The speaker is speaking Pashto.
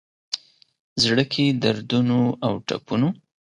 زړه کي دردونو اوټپونو،